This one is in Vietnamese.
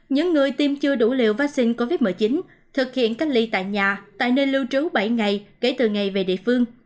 những người tiêm chưa đủ liều vaccine covid một mươi chín thực hiện cách ly tại nhà tại nơi lưu trú bảy ngày kể từ ngày về địa phương